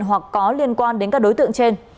hoặc có liên quan đến các đối tượng trên